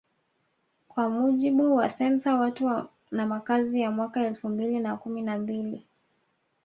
Kwa mujibu wasensa Watu na Makazi ya mwaka elfu mbili na kumi na mbili